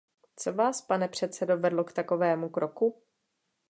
Co vás, pane předsedo, vedlo k takovému kroku?